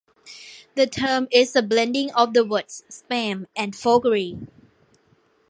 The term is a blending of the words "spam" and "forgery".